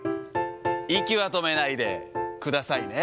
息は止めないでくださいね。